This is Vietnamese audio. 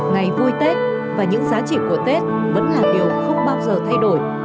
ngày vui tết và những giá trị của tết vẫn là điều không bao giờ thay đổi